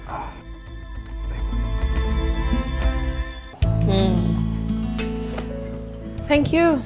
ah baik bu